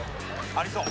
ありそう。